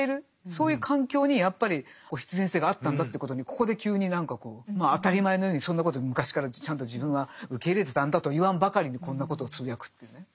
そういう環境にやっぱり必然性があったんだということにここで急に何かこう当たり前のようにそんなこと昔からちゃんと自分は受け入れてたんだと言わんばかりにこんなことをつぶやくっていうね。